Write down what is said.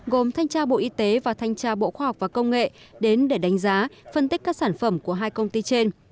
gồm thanh tra bộ y tế và thanh tra bộ khoa học và công nghệ đến để đánh giá phân tích các sản phẩm của hai công ty trên